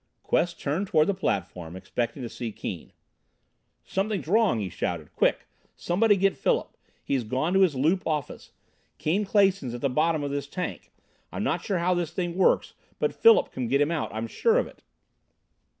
Quest turned toward the platform, expecting to see Keane. "Something's wrong!" he shouted. "Quick! Somebody get Philip. He's gone to his Loop office. Keane Clason's at the bottom of this tank. I'm not sure how this thing works, but Philip can get him out! I'm sure of it!"